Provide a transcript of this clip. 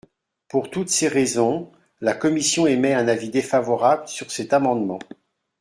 Pour toutes ces raisons, la commission émet un avis défavorable sur cet amendement.